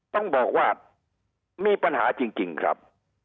ต้องบอกว่ามีปัญหาจริงครับ